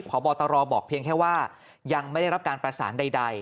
พบตรบอกเพียงแค่ว่ายังไม่ได้รับการประสานใด